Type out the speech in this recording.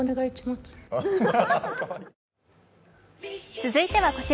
続いてはこちら。